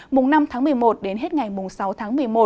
mùng năm tháng một mươi một đến hết ngày mùng sáu tháng một mươi một